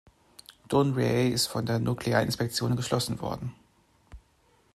Dounreay ist von der Nuklearinspektion geschlossen worden.